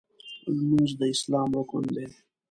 لمونځ د اسلام رکن دی.